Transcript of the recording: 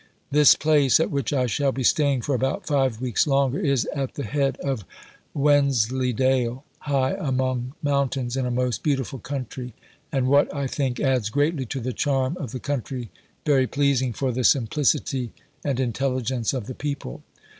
This place, at which I shall be staying for about five weeks longer, is at the head of Wensleydale, high among mountains in a most beautiful country, and what, I think, adds greatly to the charm of the country, very pleasing for the simplicity and intelligence of the people.